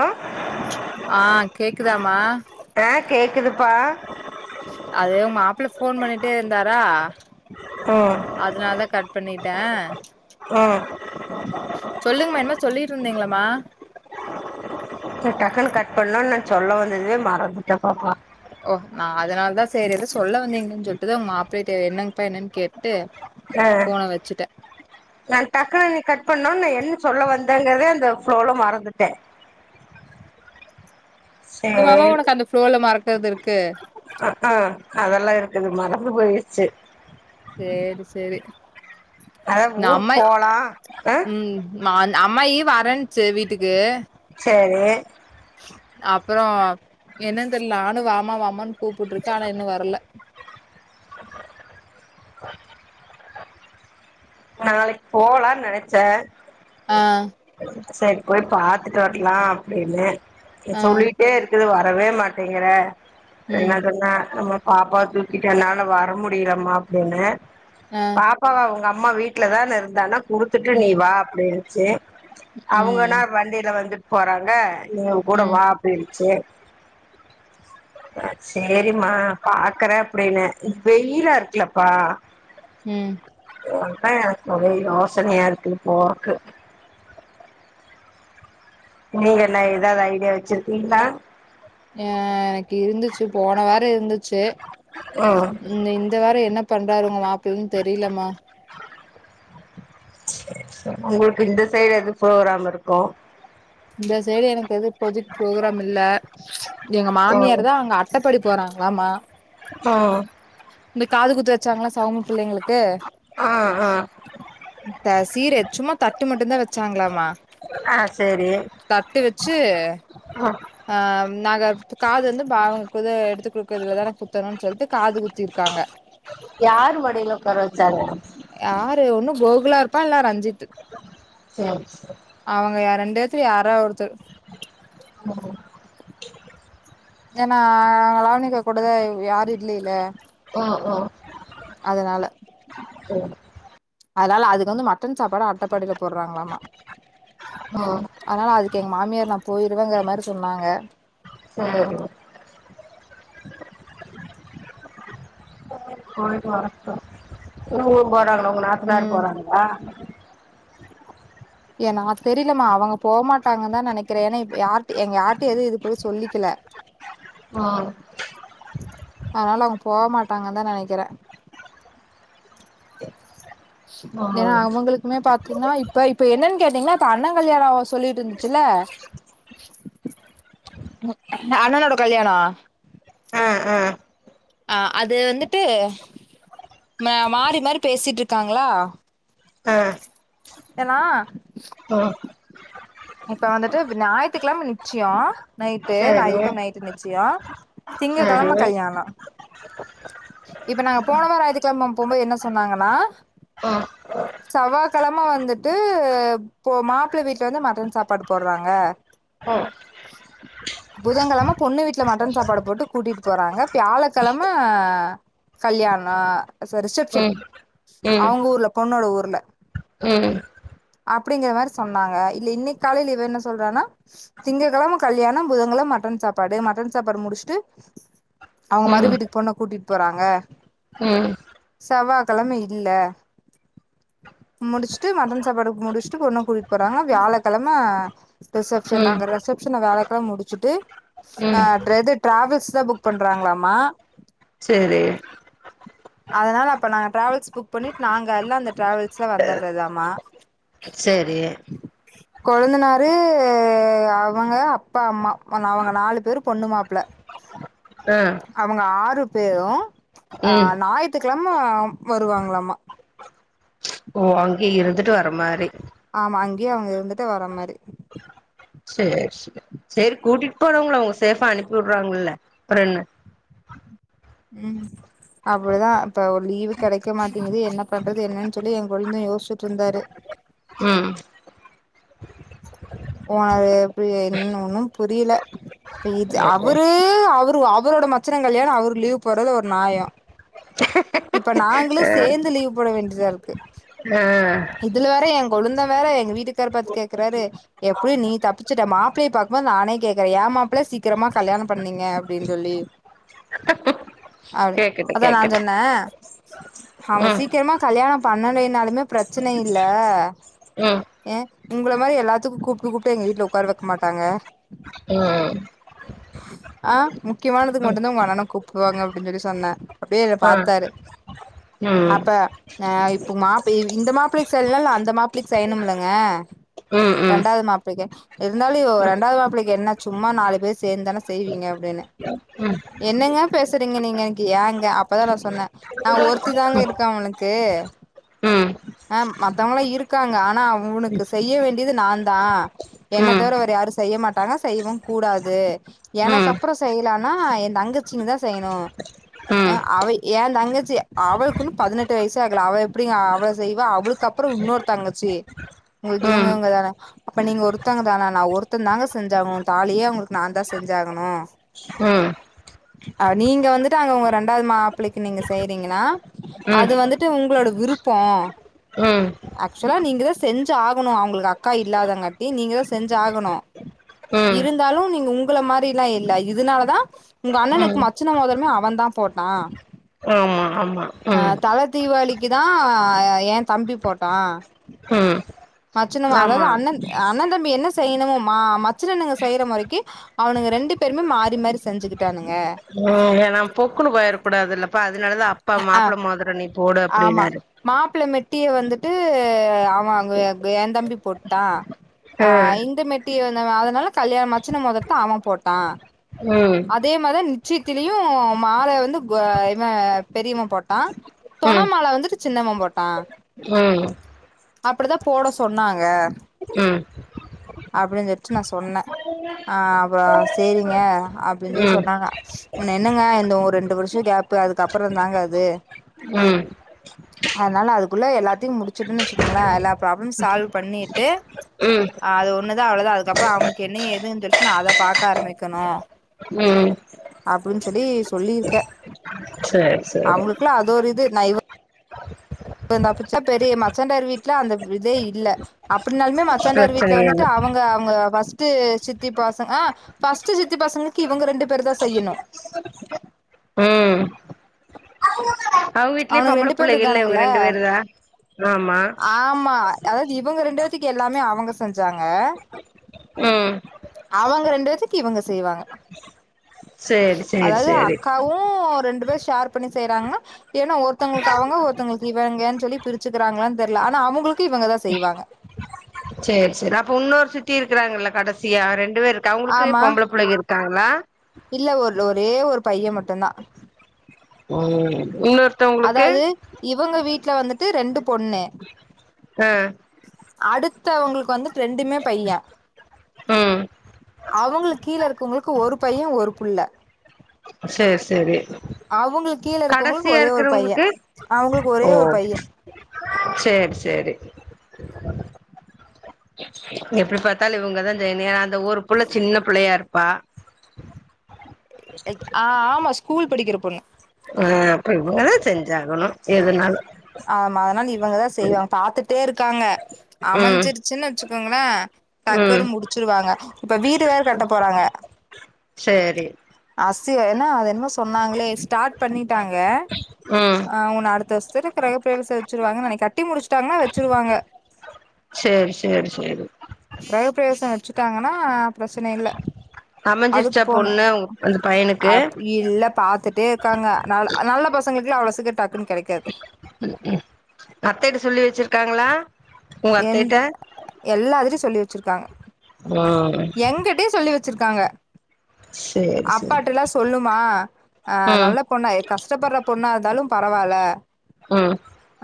ஆ ஆ கேக்குதாமா அ கேக்குதுப்பா அது மாப்புள ஃபோன் பண்ணிட்டே இருந்தாரா ம் அதுனால தா கட் பண்ணிட்ட உ சொல்லுங்மா என்மோ சொல்லிட்ருந்தீங்ளமா டக்குன் கட் பண்ணோன் நா சொல்ல வந்தததே மறந்துட்ட பாப்பா ஒ நா அதனால் தா சேரி எதோ சொல்ல வந்தீங்ளோன் சொல்ட்டுதா ஒங் மாப்ளைட்ட என்னங்பா என்னன் கேட்டு அ ஃபோன வச்சுட்டே நா டக்குனு நீ கட் பண்ணோன என் சொல்ல வந்தேங்கறதே அந்த ப்ளோல மறந்துட்டே சரி இன்னுமாமா ஒனக்கு அந்த ப்ளோல மறக்கற்து இருக்கு அ அ அதல்லா இருக்குது மறந்து போயிட்ச்சு சேரி சேரி அதா ஊருக் போவலா நாந் அம்மாயி வரன்ச்சு வீட்டுக்கு சேரி அப்பறோ என்னன் தெர்ல நானு வாம வாமான் கூப்புட்ருக்க ஆனா இன்னு வர்ல நாளைக் போலான் நெனச்ச அ சேரி போய் பாத்துட்டு வர்லா அப்டின்னு நீ ஆ சொல்லிட்டே இரு குது வரவே மாட்டேங்கிற ம் என்னா பண்ண நம்ம பாப்பாவ தூக்கிட்டு என்னால வர முடிய்லம்மா அப்டின்ன ஆ பாப்பாவ உங்க அம்மா வீட் ட்ல தா இருந்தனா குடுத்துட்டு நீ ம் வா அப்டின்ச்சு அவுங்கன்னா ம் வண்டில வந்துட் போறாங்க நீங்க கூட ம் வா அப்டின்ச்சு அ சேரிம்மா பாக்குற அப்டின்ன வெய்யிலா இருக்குலப்பா ம் ஒ அதா எனக்கு ஒரே யோசனயா இருக்கு போவக்கு நீங்கன்னா எதாவ்து ஐடியா வச்சிருக்கீங்ளா ஏ எனக்கு இருந்துச்சு போன வார இருந்துச்சு ம் இந்த இந் இந்த வார என்ன பண்றாரு உங்க மாப்ளன்னு தெரிலமா உங்களுக்கு இந்த சைடு எது புரோகிராம் இருக்கு இந்த சைடடு எனக்கு இப்போஜிக் ப்ரோக்ராம் இல்ல எங்க ஆ மாமியார் தா அங்க அட் ட்டப்படி போறாங்லாமா ஒ இந்த காது குத்து வச்சாங்கள சௌம புள்ளைங்களுக்கு ஆ ஆ த சீரு சும்மா தட்டு மட்டுந்தா வெச்சாங்ளாமா அ சேரி தட்டு வெச்சு ஆ அ நாங்க காது வந்து ப கு இத எடுத்து குடுக்கறதுல தான குத்தணு சொல்ட்டு காது குத்திருக்காங்க யாரு மடில உக்கார வெச்சாங்க யாரு ஒண்ணு கோகுலா இருப்பா இல்லா ரஞ்சித்து ம் அவங்கய ரெண்டு யேத்துல யாரா ஒருத்தர் உ ஏன்னாலாவணிக்கா கொடதா யாரு இல்லைல ஆ ஹ அதனால ஓ அதனால அதுக்கு வந்து மட்டன் சாப்பாடு அட்டப்பாடியில போடுறாங்களாமா ம் அதனால அதுக்கு எங்க மாமியார் நா போயிருவேங்கற மாரி சொன்னாங்க சொல்லு போய்டு வர இவ்ங்ளு போறாங்களா உங்க நாத்தநார் ம் போறாங்களா எ னாத் தெரியலமா அவங்க போகமாட்டாங்கு தா நினைக் க்கிறே ஏனா இப்ப யாருட் எங்க யாருடயு எதுவு இது போயி சொல்லிக்கல ம் அனால அவங் போவ் மாட்டாங்க தா நெனைக்கிறே ஏனா ம் அவங்களுக் இமே பாத்தீங்கன்னா இப்ப இப்ப குமே பாத்திங்னா இப்ப இப்ப என்னன்னு கேட்டீங்கன்னா அப்ப அண்ண கல்யாணோ சொல்லிட்டு இருந்துச்சுல்ல அண்ணனோட கல்யாணோ ஹ ஹ ஆ அது வந்துட்டு மா மாறி மாறி பேசிட்டுருக்காங்களா ஆ எல்லா ம் இப்ப வந்துட்டு ஞாயித்துகிழம நிச்சியோ நைட்டு சேரி ஞாயித்துகிழம நைட்டு நிச்சியோ திங்க சேரி கெழம கல்யாணோ இப்ப நாங்க போனவார ஞாயித்துக்கிழம போம்போது என்ன சொன்னாங்கன்னா ம் சவ்வா கிழம வந்துட்டு போ மாப்ள்ள வீட்ல இருந்து மரு சாப்பாடு போட்றாங்க ம் புதன்கிழம பொண்ணு வீட்டுல மட்டன் சாப்பாடு போட்டு கூட்டிட்டு போறாங்க வியாழக்கிழம கல்யாணோ ரிசப்ஷன் ம் ம் அவங்க ஊர்ல பொண்ணோட ஊர்ல ம் அப்டிங்கற மாரி சொன்னாங்க இல்ல இன்னை காலையில இவ என்ன சொல்றானா திங்ககிழம கல்யாணோ புதங்கிழம மட்டன் சாப்பாடு மட்டன் சாப்பாடு முடுச்ட்டு அவங்க மறு ம் வீட்டுக்கு பொண்ண கூட்டிட் போறாங்க சவ்வாகிழம இல்ல முடுச்ட்டு மட்டன் சாப்பாடுக்கு முடுச்ட்டு பொண்ண கூட்டிட்டு போறாங்க வியாழக்கிழம ம் ரிசப்ஷன் ம் அங்க ரெஸ் ரிசப்ஷன் வேலக்கெலம் முட்ச்சுட்டு ம் ட்ரெது டிராவல்ஸ் தா புக் பண்றாங்களாமா சேரி அதனால அப்ப நாங்க டிராவல்ஸ் புக் பண்ணிட் நாங்க எல்லா அந்த டிராவல்ஸ்ல வந்துட்றதாமா செரி [unintelligible] கொழுந்தனாரு அவங்க அப்பா அம்மா அவங்க நாலு பேரு பொண்ணு மாப்ள ஆ அவங்க ஆறு பேரு ஆ ம் ஞாயிறுத்துக்கிழம வருவாங்களாமா ஓ அங்கே இருந்துட்டு வர மாரி ஆமா அங்யே அவங்க இருந்துட்டு வர மாரி சே சே சேரி கூட்டிட்டு போனவங்கள அவங்க சேரங்அனுப்பி விடுறாங்கல்ல அப்புறம்ன்ன ம் அப்டிதா இப்ப ஒரு லீவு கெடைக்க மாட்டேங்குது என்ன பண்றது என்னன்னு சொல்லி என் கொழந்த யோசிச்சிட்டு இருந்தாரு ம் ஓ அது எப்டி என் ஒன்னு புரியல இப்ப இது அவரு அவரு அவரோட மச்சன கல்யாணோ அவரு லீவ் போடுறது ஒரு நயோ [inaudible] இப்ப நாங்களு சேர்ந்து லீவ் போட வேண்டியதா இருக்கு த இதுல வேற எங்க கொளுந்த வேற எங்க வீட்டுக்கரு பாத்து கேக்குறாரு எப்டியு நீ தப்பிச்சட்ட மாப்பிள்ளய பாக்கும்போது நானே கேக்றஅந்த ஆணையே கேடக்குற ஏ மாப்பிைசீக்கிரமா கல்யணம் பண்ணிங்கப்படின்னு சொல்லி [inaudible] அது கேக்கட்டு அதா நா கேக்கட்டு சொன்ன அவங்க ம் சீக்கிரமா கல்யாணம் பண்ணவேனாலுமே பிரச்சன இல்ல ம் ஏ உங்கள மாரி எல்லாத்துக்கு கூப்டு கூப்டு எங்க வீட்ல உட்கார வைக்க மாட்டாங்க ம் ம் ஆ முக்கியமானது மட்டு தா உங்க அண்ணன கூப்டுவாங்க அப்டின்னு சொல்லி சொன்ன அப்டியே என்ன ஆ பத்தாரு ம் ம் அப்ப ஆ இப்ப மாப்பு இவ் இந்த மாப்பிள்ளைக்கு [unintelligible] அந்த மாப்பிள்ளைக்கு செய்யணுமிலாங்க ம் ம் ம் ரெண்டாவது மாப்பிள்கே இருந்தாலு ஒ ரெண்டாவது மா பிள்ளைக்கு என்ன சும்மா நாலு பேர் சேந்து தான செய்வீங்க அப்டின்னு ம் ம் ம் என்னங்க பேசுறீங்க நீங்க எனக்கு ஏங்க அப்பதா நா சொன்ன நா ஒருத்தி தாங்க இருக்கே அவன்க்கு ம் அ மத்தவங்கெல்லா இருக்காங்க ஆனா அவுனுக்கு செய்ய வேண்டியது நா தா என்ன தவிர வேற யாரு செய்ய மாட்டாங்க செய்யவு கூடாது எனக்கு அப்ரோ செய்யலானா ஏ அங்கச்சிங்க தா செய்யணு ம் அ அவ ஏ தங்கச்சி அவளுக்குன்னு பதினெட்டு வயசே ஆகல அவ எப்டிங்க அவள செய்வா அவ்ளுக் அப்ரோ இன்னொரு தங்கச்சி உங்ளுக்கு இவங்க இவங்க தான அப்ப நீங்க ஒருத்தவங்க தானா நா ஒருத்த தாங்க செஞ்சாகணு தாலியயே அவ்ங்களுக்கு ந தா செஞ்சி அகணு அ நீங்க வந்துட்டு அங்க உங்க ரெண்டாவது மா மாப்பிள்ளைக்கு நீங்க செய்றீங்னா அது வந்துட்டு உங்களோட விருப்போ ம் ஆக்சுலா நீங்கதா செஞ் சா ஆகணு அவ்ளுக்கு அக்கா இல்லாதங்காட்டி நீங்க தா செஞ்சி ஆகணு ம் ம் இருந்தாலு நீங்க உங்க மாதிரில்லா இல்ல இதனாலதா உங்க அண்ணனுக்கு ம் மச்சன மோதிரமே அவன தா போட்டா ஆமா ஆமா ஆ ம் தல தீபளிக்கு தா ஏ தம்பி போட்டா ம் மச்சின்னவா அதாவது ஆமா அண்ண த அண்ண தம்பி என்ன செய்ணுமோ மா மச்சனனுுங்க செய்ற மோரைக்கி அவனுங்க ரெண்டு பேருமே மாறி மாறி செஞ்சிகிட்டானுங்க உம் ஏனா பொக்குன்னு போயிடக்க கூடாதுல்லப்பா அதனாலதா அப்பா மாப்ள மோதுரோ நீ போடு அப்டினாரு மாப்ள மெட்டிய வந்துட்டு அவ அங்க ஏ கு ஏ தம்பி போட்டா ஆ இந்த மெட்டி அதுல அதனால கல்யாணோ மச்சன மேதறத்த அவெ போட்டா ம் அதே மாதிரி நிச்சயத்திலியூ மால வந்து கொ இவெ பெரியவ போட்டா தெணமால வந்துட்டு சின்னவெ போட்டான் இல்லங்க இல் அப்படி தா போட சொன்னாங்க ம் அப்படின் சொல்ட்டு நா சொன்னே அ அப்புறோ செரிங்க அப்படின் சொல்லி ம் சொன்னாங்க ன் என்னங்க இந்த ஒரு ரெண்டு வருஷொ கேப்பு அதுக்கப்புறோ தாங்க அது ம் அதனால அதுக்குள்ள எல்லாத்தையூ முடிச்சுட்டுன்னு வச்சுக்கோங்களே எல்லா ப்ராப்ளம் சால்வ் பண்ணிட்டு ம் அது ஒண்ணுா தா அவ்ளே தா அதுக்கப்புறோ அவனுக்கு எனன ஏதுன்னு செல்லிட்டு நா அத பாக்க்க ஆரம்பிக்கனோ ம் அப்பிடின்னு சொல்லி சொல்லிருக்கே சேர் செ அவூங்க்ளூக்கெல்லா அது ஒரு இது நா இவெ இந்த அப்புட்ச்சா பெரிய மச்சான்டார் வீட்ல அந்த இதே இல்ல அப்பிடின்னாலுமே மச்சான்டார் வீட்ல பிரச்சனையே வந்துட்டு இல்ல அவெங் ங்க ‌அவங்க ஃபர்ஸ்ட் சித்தி பசங்கஹ ஃபர்ஸ்ட் சித்தி பாசங்களுக்கு இவங்க ரெண்டு பேரு தா செய்யனோ அவிங்க வீட்லயே அவனுங்க பொம்பள ரெண்டு பேர் புள்ளைக இல்ல இவங்க ரெண்டு பேரு தா ஆம்மா அதாவது இவங்க ரெண்டு பேத்துக்கு எல்லாமே அவங்க செஞ்சாங்க ம் அவங்க ரெண்டு பேத்துக்கு இவங்க செய்வாங்க சேரி சேரி அதாவது சேரி அக்காவூ ரெண்டு பேர் ஷேர் பண்ணி செய்றாங்ன்னா ஏன்னா ஒருத்தவங்களுக்கு அவங்க ஒருத்தவங்களுக்கு இவங்க சொல்லி பிரிச்சுக்கிறாங்களான்னு தெரியல ஆனா அவங்களுக்கு இவங்கதா செய்வாங்க சேர் செரி அப்ப இன்னொர் சித்தி இருக்குறாங்கில்ல கடசியா ரெண்டு பேர் இருக் அவங்குளுக்கு ஆமா பொம்பள புள்ளைக இருக் காங்களா இல்ல ஒர் ஒரே ஒரு பையெ மட்டூ தா ம் இன்னோர் அதாவது இவங்க வீட்ல வந்து ரெண்டு பொண்ணு ஆ அடுத்தவங்களுக்கு வந்து ரொண்டுமே பையே ம் அவுங்களுக்கு கீழே இருக்கிறவங்களுக்கு ஒரு பையே ஒரு புள்ள சேர் செரி அவூங்களுக்கு கீழே இருக்குறவங்களுக்கு ஒரே ஒரு பையே அவங்களுக்கு ஒரே ஒரு பையே சேர் சேரி எப்படி பார்த்தாலூ இவங்கதா செய்யணியோ அந்த ஒரு புள்ள சின்ன புள்ளையா இருப்பா எச் ஆ ஆமா ஸ்கூல் படிக்கிற பொண்ணு ஆ அப்ப ‌இவங்க தா செஞ்சாகணோ எதுனாலூ ஆமா அதனால இவங்கதா செய்வாங்க பாத்துட்டே இருக்காங்க ம் அமைஞ்சிருச் சூ வச்சுக்கோங்களோ டக்கனு ம் முடிச்சிருவாங்க இப்ப வீடு வேற கட்ட போறாங்க சேரி ஆசியெ என்னா அது என்னமோ சொன்னாங்களே ஸ்டார்ட் பண்ணிட்டாங்க ம் ஆ உன்ன அடுத்த வருஷத்துக்கு கிறகப்ப பிரேசத்த வச்சிருவாங் நெனைக்க கட்டி முடிச்சிட்டாங்கனா வச்சிருவாங்க சேர் சேர் சேர் கிரஹ பிரவேசோ வச்சுட்டாங்கன்னா பிரச்சனை இல்ல அதுக்கு அமஞ்சிர்ச்சா போணு பொண்ணு அந்த பையனுக்கு அப் இல்ல பாத்துட்டே இருக்காங்க நல் நல்ல பசங்களுக்குளா அவ்ளோ சிக்கிர டக்குனு கேடைகாது ம் அத்தைட்ட சொல்லி வச்சிருக்காங்களா உங்க அத்தய்ட்ட எல்லாத்திலி சொல்லி வச்சிருக்காங்க ம் எங்கிட்டயு சொல்லி வச்சிருக்காங்க சேரி சேரி அப்பாட்டல்லா சொல்லுமா ஆ ம் நல்ல பொண்ணா கஷ்டப்பட்ற பொண்ணா இருந்தாலு பரவால்ல ம்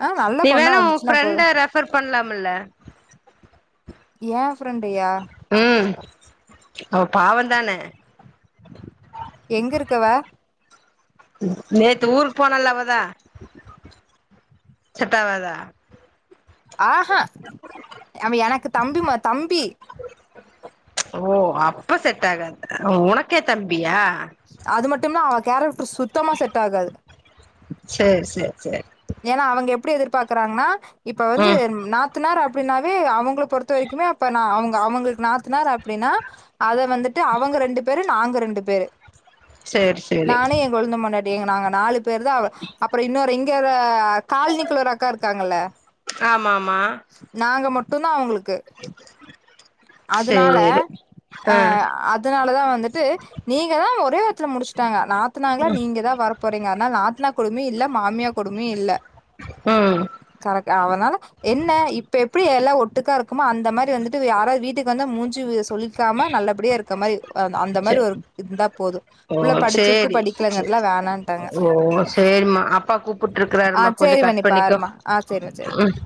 ஆ நல்ல பொண்ணா இருந்துச்சுன்னா போது பர் பண்லாமில்ல ஏன் ஃப்ரெண்டயா ம் அவ பாவோ தான எங்க இருக்கவ நேத்து ஊருக் போனல அவதா செட்டாவாதா ஆஹா அவ எனக்கு தம்பிமா தம்பி ஓ அப்ப செட்டாகாது உனக்கே தம்பியா அது மட்டும்ல்ல அவ கேரக்ட்ரு சுத்தமா செட் ஆகாது செ செ செ ஏனா அவங்க எப்டி எதிர்பாக்கறாங்கன்னா இப்ப வந்து ம் நா த்துனார் அப்டின்னாவே அவங்கள பொறுத்த வரைக்குமே அப்ப நா அவுங்க அவுங்களுக்கு நாத்தனார் அப்டின்னா அத வந்துட்டு அவங்க ரெண்டு பேரு நாங்க ரெண்டு பேரு செர் செரி நானு என் கொழுந்த பொன்னாடி இங்க நாங்க நாலு பேரு தா அப்றோ இன்னொரு இங்க [unintelligible] கால்னி குல்ல ஒரு அக்கா இருக்காங்கல்ல ஆமா ஆமா நாங்க மட்டுந்தா அவுங்களுக்கு அதுனால சேரி அ ஆ அத் துனால தா வந்துட்டு நீங்க தா ஒரே வார்த்தல முடிச்ட்டாங்க நாத்துனாங்களா நீங்க தா வர போறீங்க அனால நாத்தனா கொடுமயு இல்ல மாமியா கொடுமையு இல்ல ம் கரக் அவனால என்ன இப்ப எப்டி எல்லா ஒட்டுக்கா இருக்குமோ அந்த மாரி வந்துட்டு யாராது வீட் ட்டுக்கு வந்தா மூஞ்சு சுழிக்காம நல்லபடியா இருக்க மாரி அ அந்த மாரி சேரி ஒரு இருந்தா போது ஓ புள்ள படிச்சிருக்கு செரி படிக்கலங்கிறதுலா வேணான்ட்டாங்க ஓ செரிம்மா அப்பா ஆ கூப்புட்டுருக்குறாருமா கொஞ்சோ சேரி கட் வேணி பண்ணிக்கோ பாருமா ஆ சேரிமா சேரி ம்